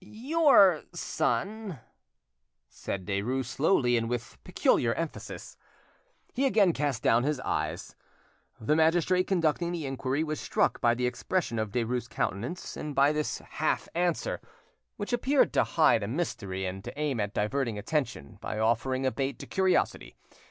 "Your son!—" said Derues slowly and with peculiar emphasis. He again cast down his eyes. The magistrate conducting the inquiry was struck by the expression of Derues' countenance and by this half answer, which appeared to hide a mystery and to aim at diverting attention by offering a bait to curiosity.